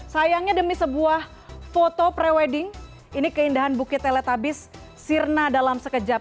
sayangnya demi sebuah foto pre wedding ini keindahan bukit teletabis sirna dalam sekejap